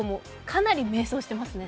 かなり迷走していますね。